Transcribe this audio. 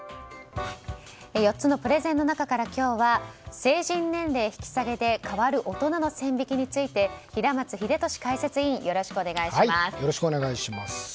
４つのプレゼンの中から今日は成人年齢引き下げで変わる大人の線引きについて平松秀敏解説委員よろしくお願いします。